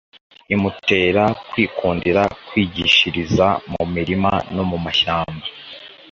imutera kwikundira kwigishiriza mu mirima no mu mashyamba: